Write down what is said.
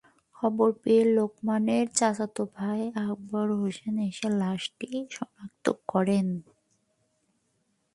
খবর পেয়ে লোকমানের চাচাতো ভাই আকবর হোসেন এসে লাশটি শনাক্ত করেন।